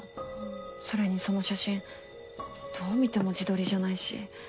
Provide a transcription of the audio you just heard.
それにその写真どう見ても自撮りじゃないし。